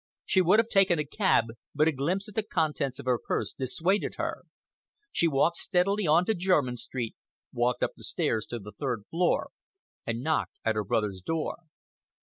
She would have taken a cab, but a glimpse at the contents of her purse dissuaded her. She walked steadily on to Jermyn Street, walked up the stairs to the third floor, and knocked at her brother's door.